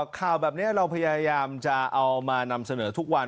ข่าวแบบนี้เราพยายามจะเอามานำเสนอทุกวัน